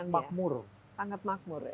sangat makmur sangat makmur ya